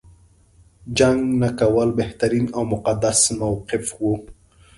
جنګ نه کول بهترین او مقدس موقف و.